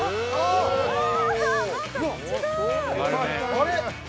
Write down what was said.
あれ？